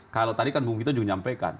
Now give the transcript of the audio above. kalau tadi kan bung gito juga menyampaikan